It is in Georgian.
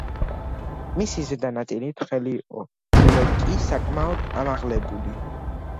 მისი ზედა ნაწილი თხელი იყო, ბოლო კი საკმაოდ ამაღლებული.